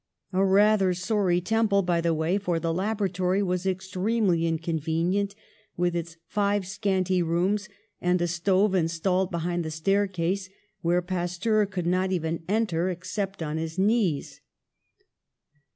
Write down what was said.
A rather sorry temple, by the way, for the laboratory was extremely incon venient, with its five scanty rooms and a stove installed behind the staircase, where Pasteur could not enter except on his knees.